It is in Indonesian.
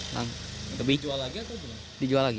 langsung lebih dijual lagi